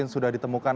apakah sudah ditemukan